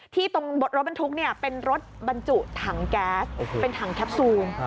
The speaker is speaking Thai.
ตรงรถบรรทุกเป็นรถบรรจุถังแก๊สเป็นถังแคปซูม